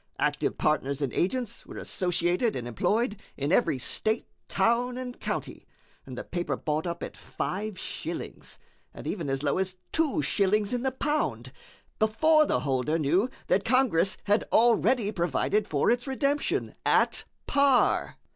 Active partners and agents were associated and employed in every state, town, and county, and the paper bought up at five shillings, and even as low as two shillings in the pound, before the holder knew that Congress had already provided for its redemption at par."